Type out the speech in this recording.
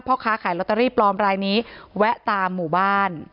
พ่อค้าขายลอตเตอรี่ปลอมรายนี้แวะตามหมู่บ้าน